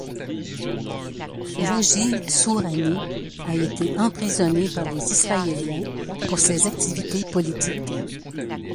Raji Sourani a été emprisonné par les Israéliens pour ses activités politique.